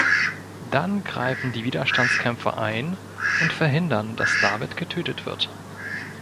Dann greifen die Widerstandskämpfer ein und verhindern, dass David getötet wird.